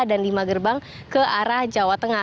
dan lima gerbang ke arah jawa tengah